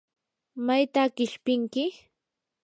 ¿mayta qishpinki?